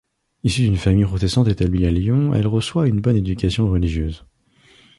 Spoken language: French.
Issue d'une famille protestante établie à Lyon, elle reçoit une bonne éducation religieuse.